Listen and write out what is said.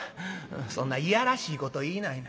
「そんな嫌らしいこと言いないな。